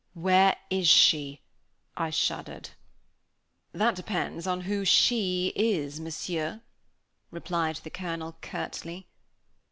"Where is she?" I shuddered. "That depends on who she is, Monsieur," replied the Colonel, curtly.